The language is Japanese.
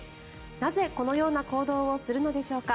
なぜ、このような行動をするのでしょうか。